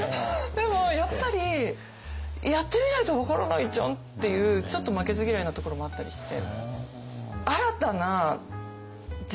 でもやっぱりやってみないと分からないじゃんっていうちょっと負けず嫌いなところもあったりして。